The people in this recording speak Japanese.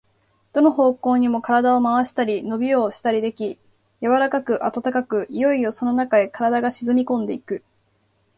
どの方向にも身体を廻したり、のびをしたりでき、柔かく暖かく、いよいよそのなかへ身体が沈んでいく。